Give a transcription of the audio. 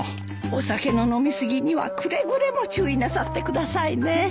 お酒の飲み過ぎにはくれぐれも注意なさってくださいね。